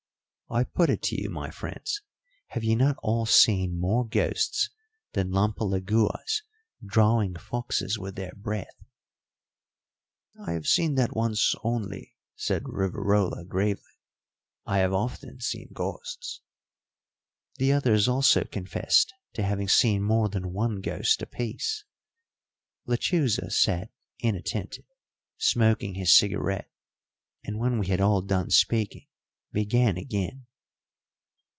I put it to you, my friends have you not all seen more ghosts than lampalaguas drawing foxes with their breath?" "I have seen that once only," said Rivarola gravely. "I have often seen ghosts." The others also confessed to having seen more than one ghost apiece. Lechuza sat inattentive, smoking his cigarette, and when we had all done speaking began again.